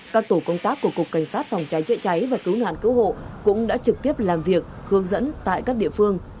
các tổ công tác của cục cảnh sát phòng cháy chữa cháy và cứu nạn cứu hộ cũng đã trực tiếp làm việc hướng dẫn tại các địa phương